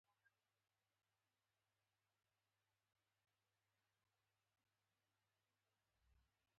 د اتڼ په شاه زلمیانو کې ته نه یې